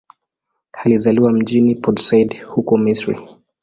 Alizaliwa mjini Port Said, huko Misri.